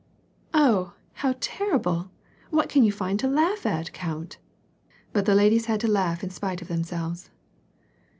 " Oh, how terrible ! what can you find to laugh at, count ?" But the ladies had to laugh in spite of themselves.